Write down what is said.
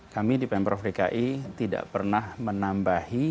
kami di pemprov dki tidak pernah menambahi